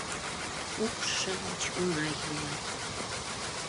Укш-шамыч оҥай йӱлат.